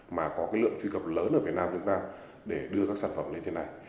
mà có cái lượng truy cập lớn ở việt nam chúng ta để đưa các sản phẩm lên trên này